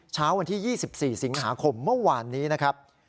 เช้าวันที่๒๔สิงหาคมเมื่อวานนี้นะครับ